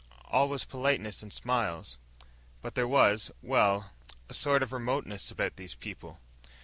All was politeness and smiles. But there was well, a sort of remoteness about these people.